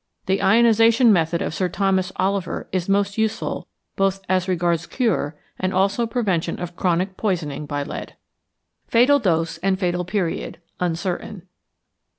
The ionization method of Sir Thomas Oliver is most useful both as regards cure and also prevention of chronic poisoning by lead. Fatal Dose and Fatal Period. Uncertain.